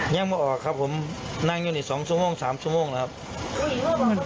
ยังไม่ออกครับผมนั่งอยู่อีก๒๓ชั่วโมงนะครับ